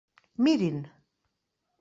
Mirin!